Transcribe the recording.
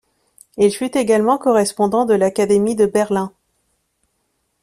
Il fut également correspondant de l'Académie de Berlin.